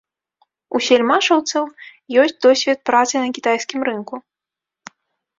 У сельмашаўцаў ёсць досвед працы на кітайскім рынку.